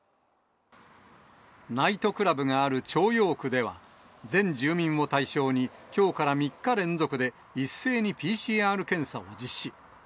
ナイトクラブがある朝陽区では、全住民を対象に、きょうから３日連続で一斉にＰＣＲ検査を実施。